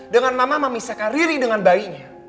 dengan mama memisahkan diri dengan bayinya